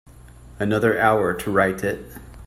Another hour to write it.